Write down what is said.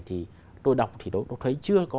thì tôi đọc thì tôi thấy chưa có